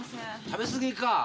食べ過ぎか。